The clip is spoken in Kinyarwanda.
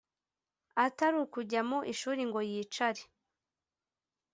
atari ukujya mu ishuri ngo yicare